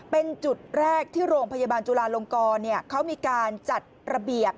เป็นจุดแรกที่โรงพยาบาลจุลาลงกรเขามีการจัดระเบียบ